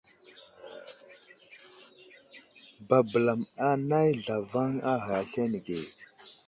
Babəlam anay zlavaŋ a ghay aslane ge.